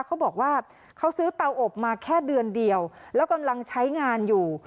เขาบอกว่าเขาซื้อเตาอบมาแค่เดือนเดียวแล้วกำลังใช้งานอยู่